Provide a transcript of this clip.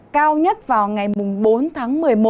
cao nhất vào ngày bốn tháng một mươi một